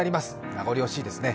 名残惜しいですね。